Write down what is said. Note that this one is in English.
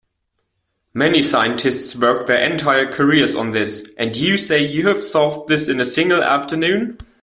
Many scientists work their entire careers on this, and you say you have solved this in a single afternoon?